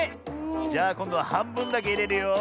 じゃあこんどははんぶんだけいれるよ。